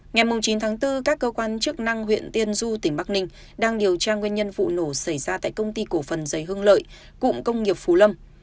ngày chín tháng bốn các cơ quan chức năng huyện tiên du tỉnh bắc ninh đang điều tra nguyên nhân vụ nổ xảy ra tại công ty cổ phần giấy hương lợi cụm công nghiệp phú lâm